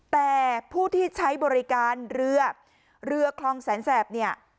แต่ผู้ที่ใช้บริการเรือเรือคลองแสนแสบเนี่ย